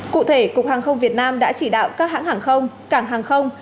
cụ thể cục hàng không việt nam đã chỉ đạo các hãng hàng không cảng hàng không